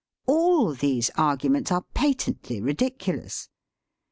All these arguments are patently ridiculous.